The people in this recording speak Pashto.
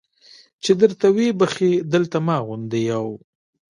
چې درته ویې بخښي دلته ما غوندې یو.